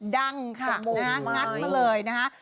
ดังค่ะงัดมาเลยนะคะ